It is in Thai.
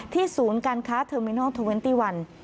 ศูนย์การค้าเทอร์มินอลเทอร์เวนตี้วัน